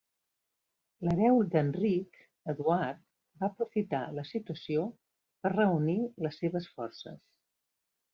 L'hereu d'Enric, Eduard, va aprofitar la situació per reunir les seves forces.